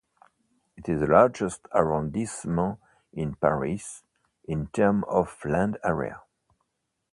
It is the largest arrondissement in Paris in terms of land area.